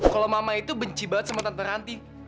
kalau mama itu benci banget sama tante ranti